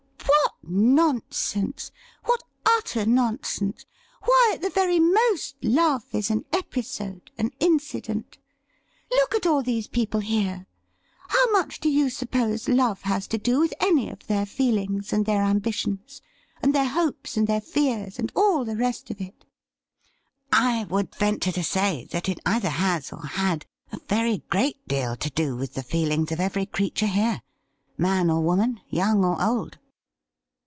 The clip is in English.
' What nonsense — what utter nonsense ! Why, at the very most, love is an episode, an incident. Look at all these people here : how much do you suppose love has to do with any of their feelings and their ambitions, and their hopes, and their fears, and all the rest of it ?'' I would venture to say that it eithei: has or had a very great deal to do with the feelings of every creature here, man or woman, young or old.'